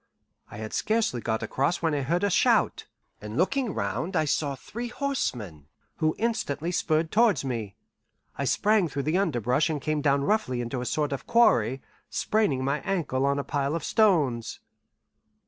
I had scarcely got across when I heard a shout, and looking round I saw three horsemen, who instantly spurred towards me. I sprang through the underbrush and came down roughly into a sort of quarry, spraining my ankle on a pile of stones.